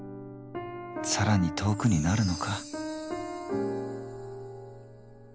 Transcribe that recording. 更に遠くになるのか。